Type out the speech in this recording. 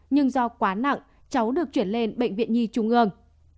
nhưng do quá nặng cháu được chuyển lên bệnh viện nhi trung ương